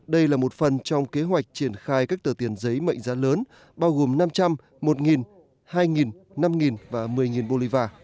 đây là một phần trong kế hoạch triển khai các tờ tiền giấy mệnh giá lớn bao gồm năm trăm linh một hai năm và một mươi bolivar